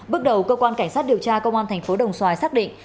bước đầu cơ quan cảnh sát điều tra công an tp đồng xoài xác định